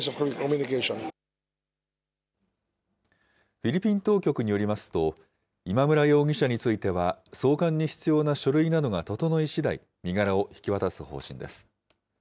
フィリピン当局によりますと、今村容疑者については、送還に必要な書類などが整いしだい、身柄を引き渡す方針です。